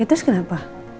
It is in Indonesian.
ya terus kenapa